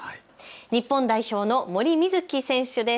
日本代表の森美月選手です。